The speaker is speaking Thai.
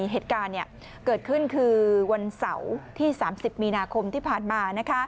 เหตุการณ์เกิดขึ้นคือวันเสาร์ที่๓๐มีนาคมที่ผ่านมา